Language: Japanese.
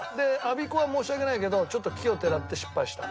アビコは申し訳ないけどちょっと奇をてらって失敗した。